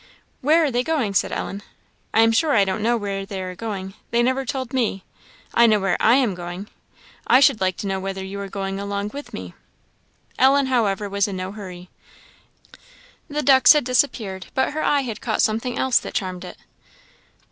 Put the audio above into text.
"Where are they going?" said Ellen. "I am sure I don't know where they are going; they never told me. I know where I am going; I should like to know whether you are going along with me." Ellen, however, was in no hurry. The ducks had disappeared, but her eye had caught something else that charmed it.